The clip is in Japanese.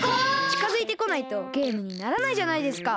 ちかづいてこないとゲームにならないじゃないですか。